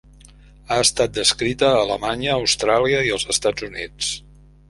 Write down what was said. Ha estat descrita a Alemanya, Austràlia i els Estats Units.